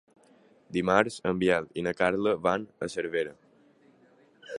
Dimarts en Biel i na Carla van a Cervera.